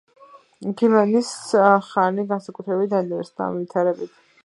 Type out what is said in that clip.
გილანის ხანი განსაკუთრებით დაინტერესდა ამ ვითარებით.